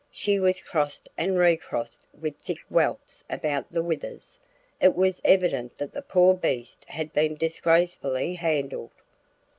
She was crossed and recrossed with thick welts about the withers; it was evident that the poor beast had been disgracefully handled.